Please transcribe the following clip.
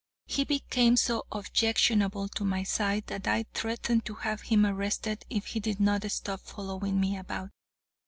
He became so objectionable to my sight that I threatened to have him arrested if he did not stop following me about.